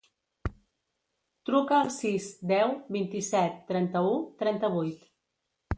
Truca al sis, deu, vint-i-set, trenta-u, trenta-vuit.